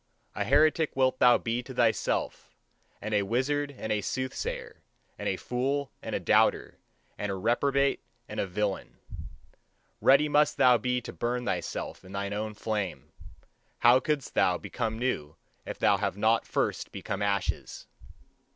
A heretic wilt thou be to thyself, and a wizard and a sooth sayer, and a fool, and a doubter, and a reprobate, and a villain. Ready must thou be to burn thyself in thine own flame; how couldst thou become new if thou have not first become ashes!